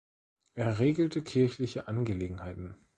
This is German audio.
Er regelte kirchliche Angelegenheiten.